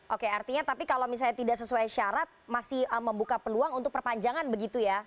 oke artinya tapi kalau misalnya tidak sesuai syarat masih membuka peluang untuk perpanjangan begitu ya